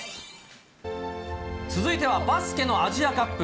続いてはバスケのアジアカップ。